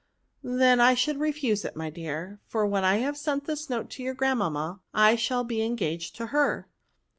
" Then I should refuse it, my dear ; for when I have sent this note to your grand mamma, I shall be engaged to her."